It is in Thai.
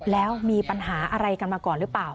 แล้วมีปัญหาอะไรกันมาก่อนหรือเปล่า